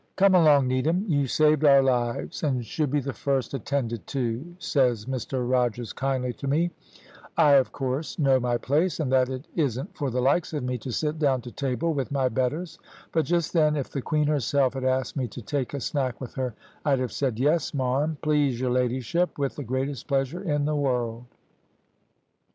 "`Come along, Needham, you saved our lives, and should be the first attended to,' says Mr Rogers kindly to me; I, of course, know my place, and that it isn't for the likes of me to sit down to table with my betters; but just then, if the Queen herself had asked me to take a snack with her, I'd have said, `Yes, marm, please your ladyship, with the greatest pleasure in the world.'